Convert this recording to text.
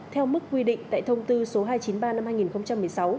theo mức quy định tại thông tư số hai trăm chín mươi ba năm hai nghìn một mươi sáu